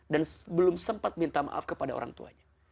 dan belum sempat minta maaf kepada orang tuanya